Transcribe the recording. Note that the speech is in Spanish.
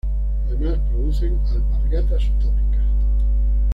Además producen "alpargatas utópicas".